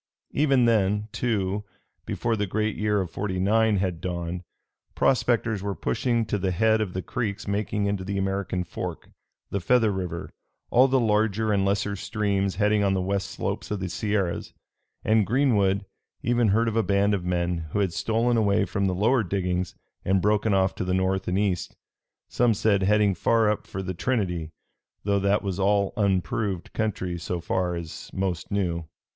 Even then, too, before the great year of '49 had dawned, prospectors were pushing to the head of the creeks making into the American Fork, the Feather River, all the larger and lesser streams heading on the west slopes of the Sierras; and Greenwood even heard of a band of men who had stolen away from the lower diggings and broken off to the north and east some said, heading far up for the Trinity, though that was all unproved country so far as most knew.